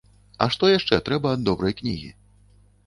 А што яшчэ трэба ад добрай кнігі?